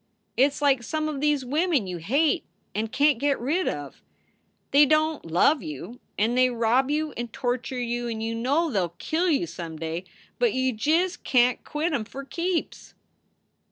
It s like some of these women you hate and can t git red of. They don t love you and they rob you and torture you and you know they ll kill you some day, but you just can t quit em for keeps."